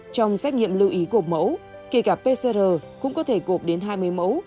trong xét nghiệm lưu ý của mẫu kể cả pcr cũng có thể gộp đến hai mươi mẫu